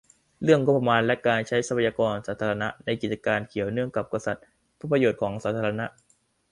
- เรื่องงบประมาณและการใช้ทรัพยากรสาธารณะ ในกิจการเกี่ยวเนื่องกับกษัตริย์ เพื่อประโยชน์ของสาธารณะ